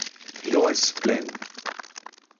Io es plen.